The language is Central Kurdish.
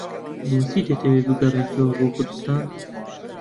بۆچی دەتەوێت بگەڕێیتەوە بۆ کوردستان؟